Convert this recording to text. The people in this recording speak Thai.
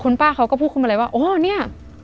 คุณป้าเขาก็พูดคุณมาเลยว่าโอ้เนี้ย